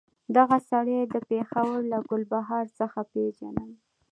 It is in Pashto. دغه سړی د پېښور له ګلبهار څخه پېژنم.